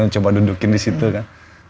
coba dudukin disitu kan